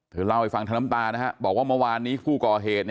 เล่าให้ฟังทั้งน้ำตานะฮะบอกว่าเมื่อวานนี้ผู้ก่อเหตุ